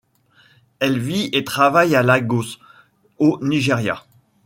Elle vit et travaille à Lagos, au Nigéria.